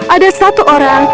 ada seorang yang menangkapnya